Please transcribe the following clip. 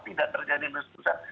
tidak terjadi letusan